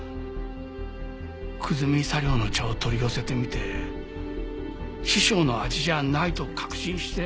久住茶寮の茶を取り寄せてみて師匠の味じゃないと確信して。